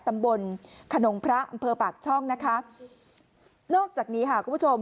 ตำบลขนงพระอำเภอปากช่องนะคะนอกจากนี้ค่ะคุณผู้ชม